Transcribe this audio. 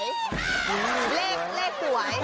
เล่นสวย